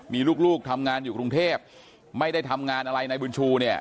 มีลูกทำงานอยู่กรุงเทพไม่ได้ทำงานอะไรนายบุญชูเนี่ย